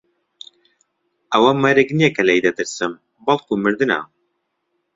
ئەوە مەرگ نییە کە لێی دەترسم، بەڵکوو مردنە.